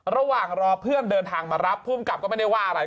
ระหว่างรอเพื่อนเดินทางมารับภูมิกับก็ไม่ได้ว่าอะไร